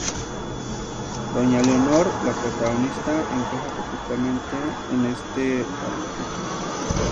Doña Leonor, la protagonista, encaja perfectamente en este arquetipo.